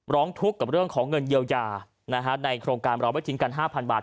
ร้องทุกข์กับเรื่องของเงินเยียวยาในโครงการเราไม่ทิ้งกัน๕๐๐บาท